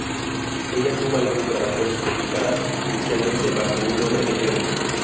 Ella tuvo algunas grabaciones publicadas inicialmente bajo un nombre diferente.